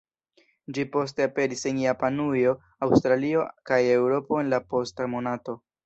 Ĝi poste aperis en Japanujo, Aŭstralio kaj Eŭropo en la posta monato.